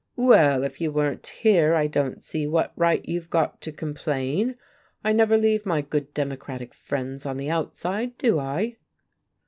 "Well, if you weren't here, I don't see what right you've got to complain. I never leave my good Democratic friends on the outside, do I?"